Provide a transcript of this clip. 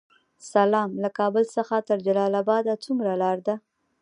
سلام، له کابل څخه تر جلال اباد څومره لاره ده؟